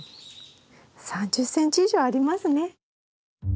うん３０ｃｍ以上ありますね。